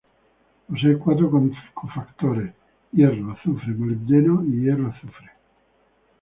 Posee cuatro cofactores: hierro, azufre, molibdeno y hierro-azufre.